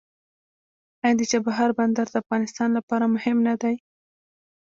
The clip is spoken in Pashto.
آیا د چابهار بندر د افغانستان لپاره مهم نه دی؟